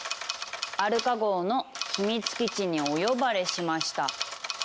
「アルカ号の秘密基地にお呼ばれしました」。